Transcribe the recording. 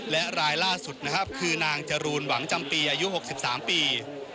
และรายล่าสุดนะครับคือนางจรูนหวังจำปีอายุ๖๓ปี